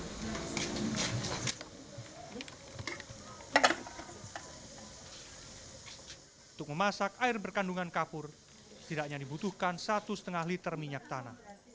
untuk memasak air berkandungan kapur setidaknya dibutuhkan satu lima liter minyak tanah